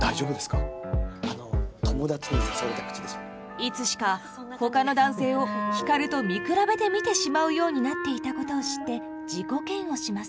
いつしかほかの男性を光と見比べて見てしまうようになっていたことを知って自己嫌悪します。